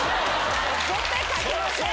絶対かけません！